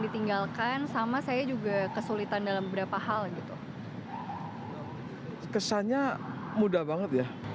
ditinggalkan sama saya juga kesulitan dalam beberapa hal gitu kesannya mudah banget ya